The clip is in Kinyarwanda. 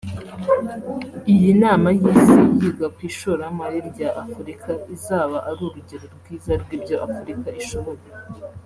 Iyi nama y’isi yiga ku ishoramari rya Afurika izaba ari urugero rwiza rw’ibyo Afurika ishoboye